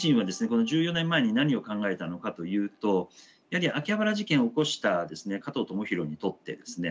この１４年前に何を考えたのかというとやはり秋葉原事件を起こしたですね